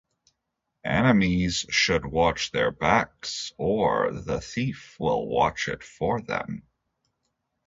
Enemies should watch their backs, or the thief will watch it for them.